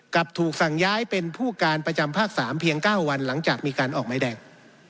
ถูกสั่งย้ายเป็นผู้การประจำภาค๓เพียง๙วันหลังจากมีการออกไม้แดง